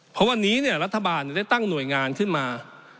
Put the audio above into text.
เพราะวันนี้รัฐบาลได้ตั้งหน่วยงานขึ้นมา